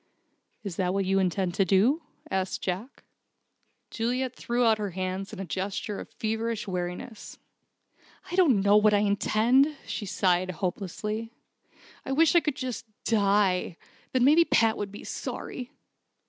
"Is that what you intend to do?" asked Jack. Juliet threw out her hands in a gesture of feverish weariness. "I don't know what I intend," she sighed, hopelessly, "I wish I could just die. Then maybe Pat would be sorry."